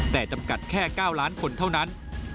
แต่จำกัดแค่๙ล้านคนเท่านั้น